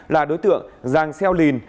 là đối tượng giang seo lin